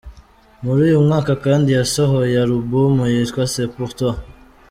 Muri uyu mwaka kandi yasohoye alubumu yitwa C’est pour toi.